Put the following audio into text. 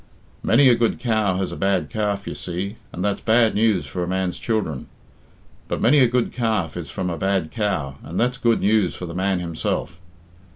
Many a good cow has a bad calf, you see, and that's bad news for a man's children; but many a good calf is from a bad cow, and that's good news for the man himself.